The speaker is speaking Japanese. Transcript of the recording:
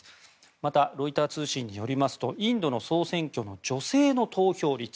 また、ロイター通信によりますとインドの総選挙の女性の投票率